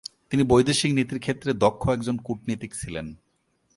তিনি বৈদেশিক নীতির ক্ষেত্রে দক্ষ একজন কূটনীতিক ছিলেন।